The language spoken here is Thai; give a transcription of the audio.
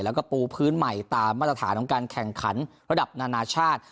แล้วก็ปูพื้นใหม่ตามมาตรฐานของการแข่งขันระดับนานาชาติ